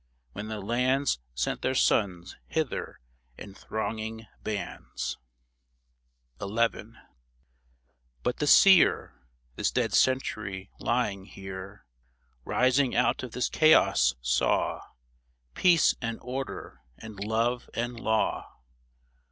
When the lands Sent their sons hither in thronging bands. THE DEAD CENTURY lOI XI. But the Seer — This dead Century lying here — Rising out of this chaos, saw Peace and Order and Love and Law